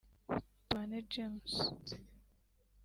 Tubane James